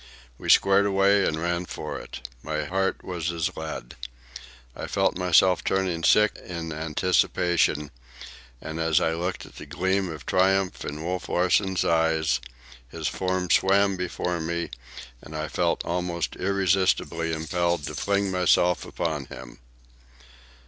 We squared away and ran for it. My heart was as lead. I felt myself turning sick in anticipation; and as I looked at the gleam of triumph in Wolf Larsen's eyes, his form swam before me, and I felt almost irresistibly impelled to fling myself upon him.